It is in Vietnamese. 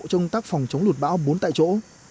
trong tác phòng chống lụt bão bốn tại chỗ